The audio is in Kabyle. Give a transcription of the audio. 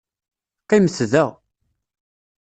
Qimet da.